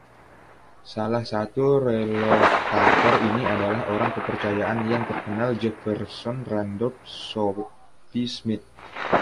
Salah satu relokator ini adalah orang kepercayaan yang terkenal Jefferson Randolph "Soapy" Smith.